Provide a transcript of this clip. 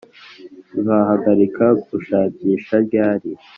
tuzahagarika gushakisha ryari